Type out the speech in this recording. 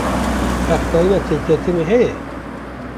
Heqdayina têketinê heye?